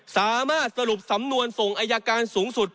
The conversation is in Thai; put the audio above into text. สามารถสรุปสำนวนส่งอายการสูงสุด